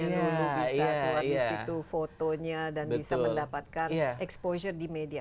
luluh bisa buat disitu fotonya dan bisa mendapatkan exposure di media